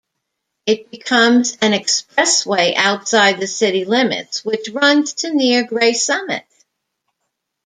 It becomes an expressway outside the city limits, which runs to near Gray Summit.